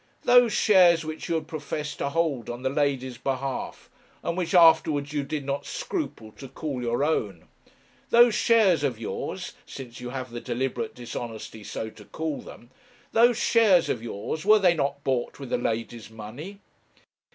Those shares which you had professed to hold on the lady's behalf, and which afterwards you did not scruple to call your own. Those shares of yours since you have the deliberate dishonesty so to call them those shares of yours, were they not bought with the lady's money?'